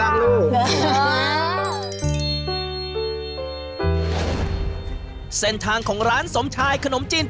เราก็อยากให้พ่อกับแม่ภูมิใจในตัวเราเหมือนกัน